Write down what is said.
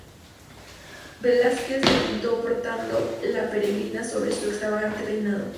Velázquez la pintó portando la peregrina sobre su extravagante peinado.